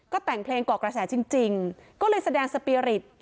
ก็แต่งเพลงก่อกระแสจริงก็เลยแสดงสปีริต